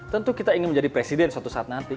tentu kita ingin menjadi presiden suatu saat nanti